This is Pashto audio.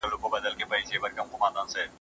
دروني ځواک مو د ستونزو په وړاندي پیاوړی کړئ.